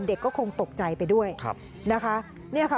เด็กก็คงตกใจไปด้วยนะคะ